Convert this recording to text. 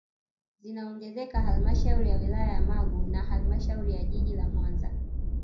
Zinaongezeka halmashauri ya wilaya ya Magu na halmashauri ya jiji la Mwanza